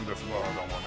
どうもね。